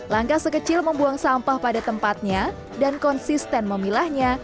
langkah sekecil membuang sampah pada tempatnya dan konsisten memilahnya